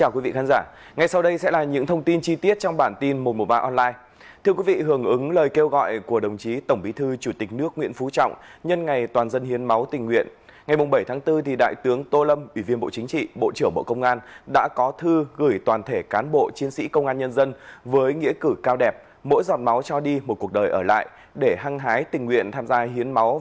chào mừng quý vị đến với bản tin một trăm một mươi ba online